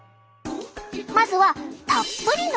まずはたっぷりのＴ！